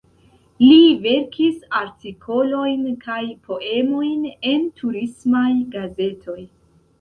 Li verkis artikolojn kaj poemojn en turismaj gazetoj.